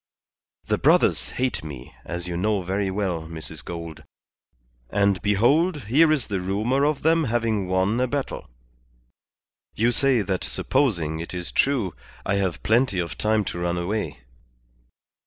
The brothers hate me, as you know very well, Mrs. Gould; and behold, here is the rumour of them having won a battle. You say that supposing it is true, I have plenty of time to run away."